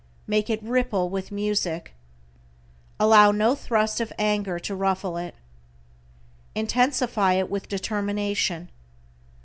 Make it ripple with music. Allow no thrust of anger to ruffle it. Intensify it with determination.